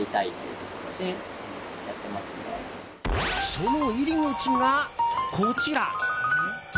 その入り口がこちら。